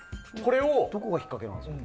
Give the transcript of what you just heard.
どこがひっかけなんですか？